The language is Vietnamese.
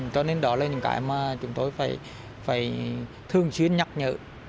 cho nên đó là những cái mà chúng tôi phải thường xuyên nhắc nhở